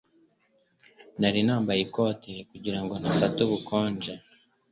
Nari nambaye ikote kugira ngo ntafata ubukonje.